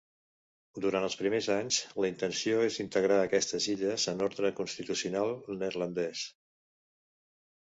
Durant els primers anys la intenció és integrar aquestes illes en l'ordre constitucional neerlandès.